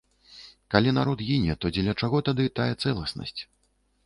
Калі народ гіне, то дзеля чаго тады тая цэласнасць?